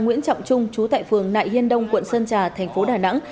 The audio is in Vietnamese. nguyễn trọng trung chú tại phường nại hiên đông quận sơn trà tp đà nẵng